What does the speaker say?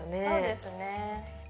そうですね。